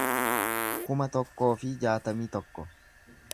kuma tokkoo fi jaatamii tokko